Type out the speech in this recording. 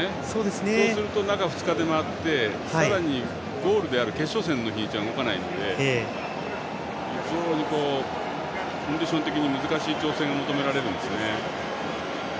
そうすると中２日で回ってさらにゴールである決勝戦の日にちは動かないので非常にコンディション的に難しい調整が求められますね。